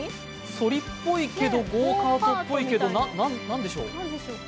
そりっぽいけどゴーカートっぽいけど何でしょうか？